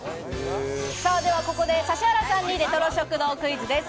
ではここで指原さんにレトロ食堂クイズです。